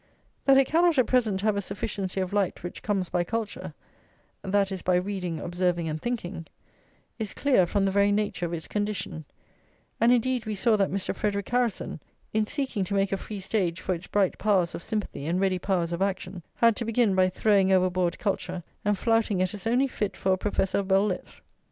That it cannot at present have a sufficiency of light which comes by culture, that is, by reading, observing, and thinking, is clear from the very nature of its condition; and, indeed, we saw that Mr. Frederic Harrison, in seeking to make a free stage for its bright powers of sympathy and ready powers of action, had to begin by throwing overboard culture, and flouting it as only fit for a professor of belles lettres.